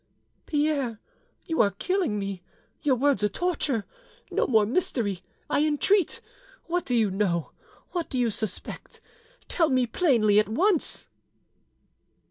"Pierre, you are killing me; your words are torture. No more mystery, I entreat. What do you know? What do you suspect? Tell me plainly at once."